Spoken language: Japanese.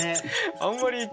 あんまりね。